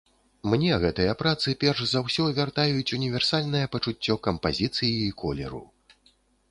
Мне гэтыя працы перш за ўсё вяртаюць універсальнае пачуццё кампазіцыі і колеру.